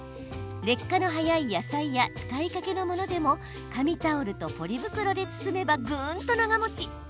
劣化の早い野菜や使いかけのものでも紙タオルとポリ袋で包めばぐんと長もち。